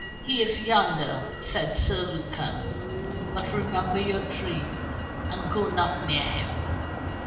"He is yonder," said Sir Lucan, "but remember your dream, and go not near him."